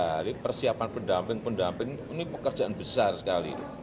jadi persiapan pendamping pendamping ini pekerjaan besar sekali